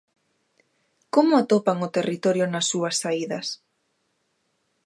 Como atopan o territorio nas súas saídas?